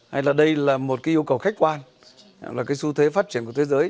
hay là đây là một cái yêu cầu khách quan là cái xu thế phát triển của thế giới